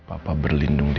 atau kita bisa menanggung